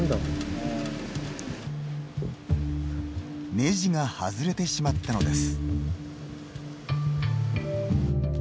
ネジが外れてしまったのです。